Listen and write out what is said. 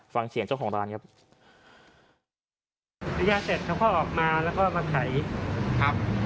ฟังเสียงเจ้าของร้านครับ